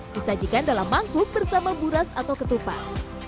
disajikan dalam mangkuk bersama buras atau ketupat